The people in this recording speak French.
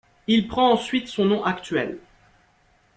Il prend ensuite son nom actuel.